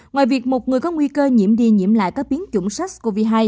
ngoài việc một người có nguy cơ nhiễm đi nhiễm lại các biến chủng sars cov hai